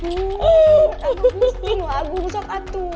enggak mak aku rosak banget